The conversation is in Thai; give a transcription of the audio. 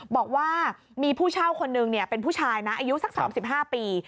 บอกว่ามีผู้เช่าคนหนึ่งเป็นผู้ชายนะอายุสัก๓๕ปี